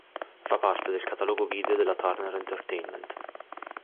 Fa parte del catalogo video della Turner Entertainment.